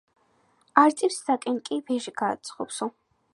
არწივს საკენკი ვერ გააძღობო